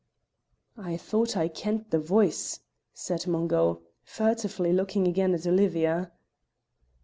"I thought I kent the voice," said Mungo, furtively looking again at Olivia.